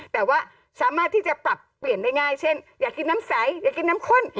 แต่ว่าสามารถที่จะปรับเปลี่ยนได้ง่ายเช่นอยากกินน้ำใสอยากกินน้ำข้น